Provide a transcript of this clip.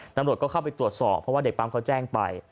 ตำรวจก็เข้าไปตรวจสอบเพราะว่าเด็กปั๊มเขาแจ้งไป